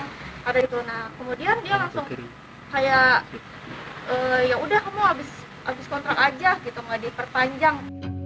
nah kemudian dia langsung kayak yaudah kamu abis kontrak aja gitu gak diperpanjang